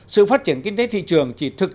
sự phát triển kinh tế thị trường chỉ thuộc vào